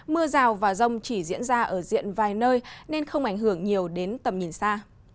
mưa rào và rông chỉ diễn ra ở diện vài nơi nên không ảnh hưởng nhiều đến tầm nhìn xa